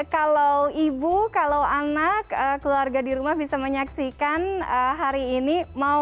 kalau ibu kalau anak keluarga di rumah bisa menyaksikan hari ini